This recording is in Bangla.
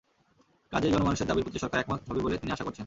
কাজেই জনমানুষের দাবির প্রতি সরকার একমত হবে বলে তিনি আশা করছেন।